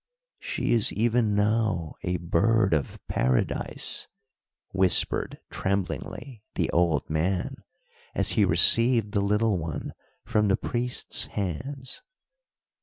"She is even now a bird of Paradise," whispered tremblingly the old man, as he received the little one from the priest's hands.